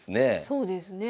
そうですね。